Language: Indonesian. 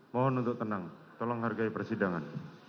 mohon untuk tenang tolong hargai persidangan